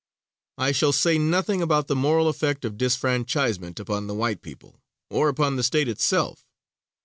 I shall say nothing about the moral effect of disfranchisement upon the white people, or upon the State itself.